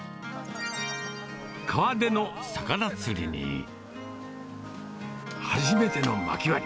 川での魚釣りに、初めてのまき割り。